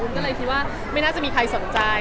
ก็เลยคิดว่าไม่น่าจะมีใครสนใจ